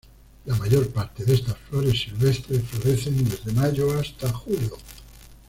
La mayor parte de estas flores silvestres florecen desde mayo hasta julio.